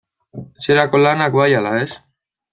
Etxerako lanak bai ala ez?